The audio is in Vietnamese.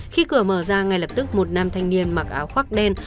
khi cửa mở ra ngay lập tức một nam thanh niên mặc áo khoác đen